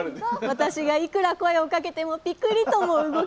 私がいくら声をかけてもピクリとも動きません